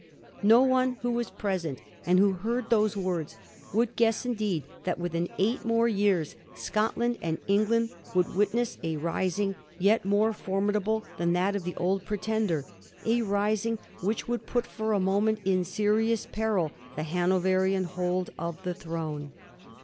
No one who was present and who heard those words could guess indeed that within eight more years Scotland and England would witness a rising yet more formidable than that of the Old Pretender, a rising which would put for a moment in serious peril the Hanoverian hold of the throne.